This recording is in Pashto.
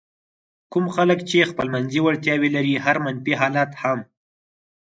کوم خلک چې خپلمنځي وړتیاوې لري هر منفي حالت هم.